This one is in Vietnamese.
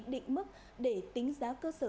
định mức để tính giá cơ sở